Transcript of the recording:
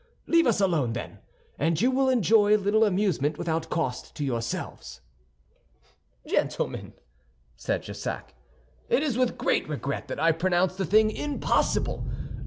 Leave us alone, then, and you will enjoy a little amusement without cost to yourselves." "Gentlemen," said Jussac, "it is with great regret that I pronounce the thing impossible.